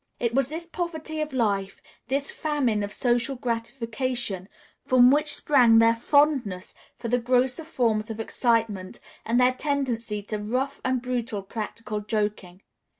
It was this poverty of life, this famine of social gratification, from which sprang their fondness for the grosser forms of excitement, and their tendency to rough and brutal practical joking.